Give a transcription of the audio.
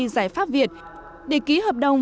giải pháp việt để ký hợp đồng